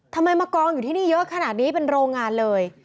ทำไมมากองอยู่ที่นี่เยอะขนาดนี้เป็นโรงงานเลย